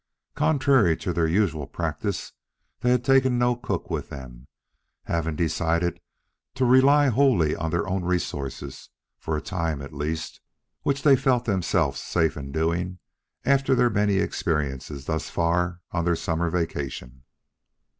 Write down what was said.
Contrary to their usual practice, they had taken no cook with them, having decided to rely wholly on their own resources for a time at least, which they felt themselves safe in doing after their many experiences thus far on their summer vacation.